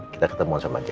kita ketemu sama dia